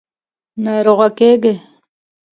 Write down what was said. – ناروغه کېږې.